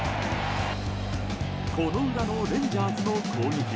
この裏のレンジャーズの攻撃。